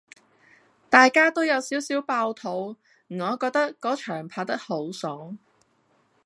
大家都有少少爆肚，我覺得果場拍得好爽